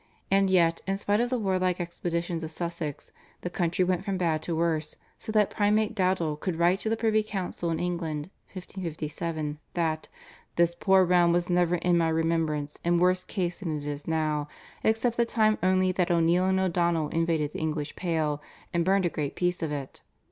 And yet, in spite of the warlike expeditions of Sussex, the country went from bad to worse, so that Primate Dowdall could write to the privy council in England (1557) that "this poor realm was never in my remembrance in worse case than it is now, except the time only that O'Neill and O'Donnell invaded the English Pale and burned a great piece of it.